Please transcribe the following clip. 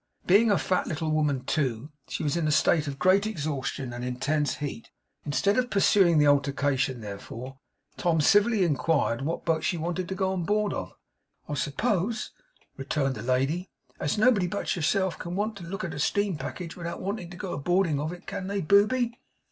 Being a fat little woman, too, she was in a state of great exhaustion and intense heat. Instead of pursuing the altercation, therefore, Tom civilly inquired what boat she wanted to go on board of? 'I suppose,' returned the lady, 'as nobody but yourself can want to look at a steam package, without wanting to go a boarding of it, can they! Booby!